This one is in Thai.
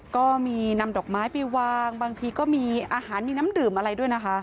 ก็มีนำดอกไม้ไปวางบางทีก็มีอาหารมีน้ำดื่มอะไรด้วยนะคะ